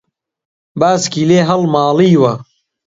باسکی لێ هەڵماڵیوە